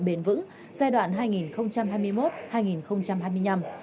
bền vững giai đoạn hai nghìn hai mươi một hai nghìn hai mươi năm